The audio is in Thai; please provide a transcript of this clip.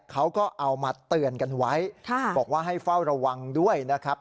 เขาก็เอามาเตือนกันไว้บอกว่าให้เฝ้าระวังด้วยนะครับ